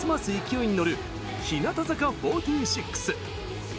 勢いに乗る日向坂４６。